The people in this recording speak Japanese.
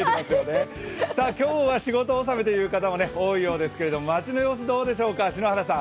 今日は仕事納めという方も多いですけれども、街の様子はどうでしょうか、篠原さん。